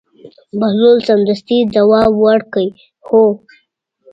بهلول سمدستي ځواب ورکړ: هو.